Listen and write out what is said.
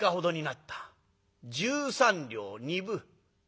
十三両二分。